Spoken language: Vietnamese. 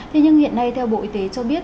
thế nhưng hiện nay theo bộ y tế cho biết